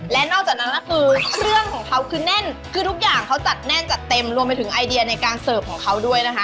และนอกจากนั้นก็คือเครื่องของเขาคือแน่นคือทุกอย่างเขาจัดแน่นจัดเต็มรวมไปถึงไอเดียในการเสิร์ฟของเขาด้วยนะคะ